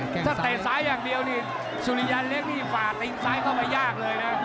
ถ้าเตะซ้ายอย่างเดียวนี่สุริยันเล็กนี่ฝ่าตีนซ้ายเข้าไปยากเลยนะ